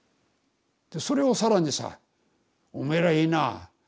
でそれを更にさ「おめえらいいな。